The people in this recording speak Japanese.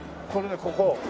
これねここ。